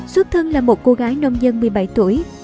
xuất thân là một cô gái nông dân một mươi bảy tuổi